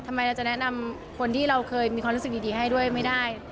เราจะแนะนำคนที่เราเคยมีความรู้สึกดีให้ด้วยไม่ได้